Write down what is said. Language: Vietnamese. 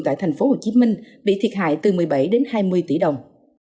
tại tp hcm bị thiệt hại từ một mươi bảy đến hai mươi tỷ đồng